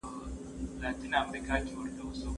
یو ظریف او نازک هنر.